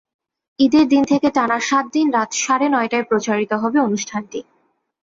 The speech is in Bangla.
ঈদের দিন থেকে টানা সাত দিন রাত সাড়ে নয়টায় প্রচারিত হবে অনুষ্ঠানটি।